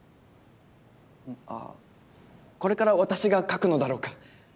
あぁこれから私が書くのだろうか？